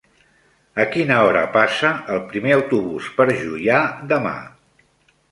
A quina hora passa el primer autobús per Juià demà?